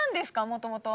もともと。